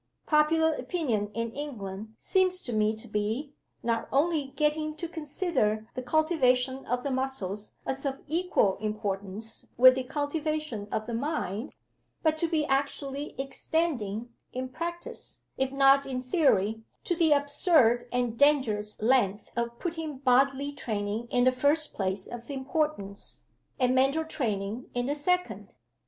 Popular opinion in England seems to me to be, not only getting to consider the cultivation of the muscles as of equal importance with the cultivation of the mind, but to be actually extending in practice, if not in theory to the absurd and dangerous length of putting bodily training in the first place of importance, and mental training in the second.